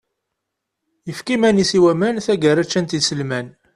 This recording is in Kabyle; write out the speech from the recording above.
Yefka iman-is i waman, taggara ččan-t yiselman.